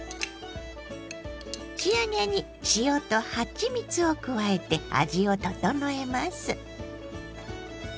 仕上げに塩とはちみつを加えて味を調えます。